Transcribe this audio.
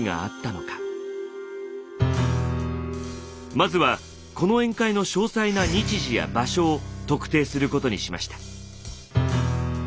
まずはこの宴会の詳細な日時や場所を特定することにしました。